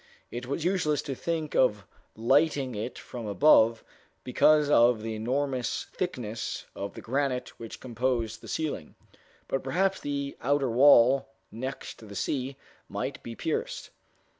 It was useless to think of lighting it from above, because of the enormous thickness of the granite which composed the ceiling; but perhaps the outer wall next the sea might be pierced.